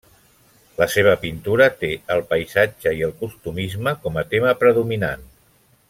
La seva pintura té el paisatge i el costumisme com a tema predominant.